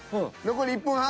残り１分半。